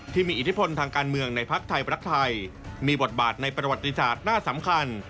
อิทธิพลทางการเมืองในภักดิ์ไทยรักไทยมีบทบาทในประวัติศาสตร์หน้าสำคัญ